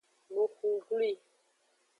Nuxu glwi.